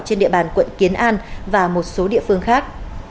trên địa bàn quận kiến an và một số địa phương khác